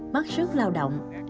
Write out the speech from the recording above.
mất sức lao động